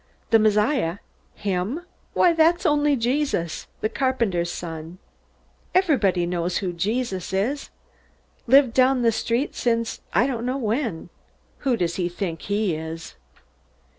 "The Messiah? Him? Why, that's only Jesus! The carpenter's son!" "Everybody knows who Jesus is! Lived down the street since I don't know when!" "Who does he think he is?"